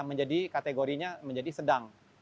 menjadi kategorinya menjadi sedang